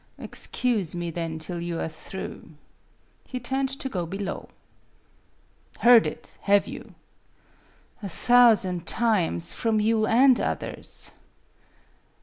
" Excuse me, then, till you are through." He turned to go below. " Heard it, have you ?" "A thousand times from you and others."